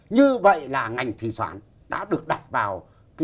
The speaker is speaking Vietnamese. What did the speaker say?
như vậy là ngành thủy sản đã được đặt vào